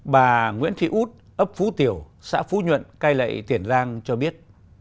bà nguyễn thị út ấp phú tiểu xã phú nhuận cai lệ tiền giang cho biết